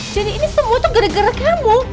jadi ini semua tuh gara gara kamu